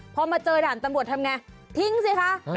พอมาเจอด่านตำรวจทำไงทิ้งสิคะ